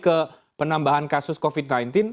ke penambahan kasus covid sembilan belas